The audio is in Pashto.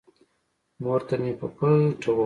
مور ته مې په پټه وويل.